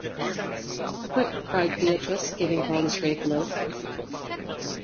“Quick!” cried Beatrice, giving Paul the scraped loaf.